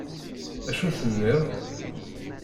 Acu tenniḍ?